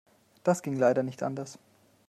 Das ging leider nicht anders.